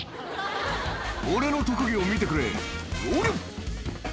「俺の特技を見てくれおりゃ！」